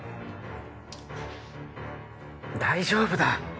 大丈夫だ。